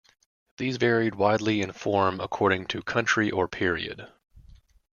These varied widely in form, according to country or period.